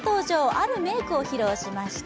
あるメイクを披露しました。